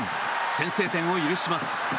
先制点を許します。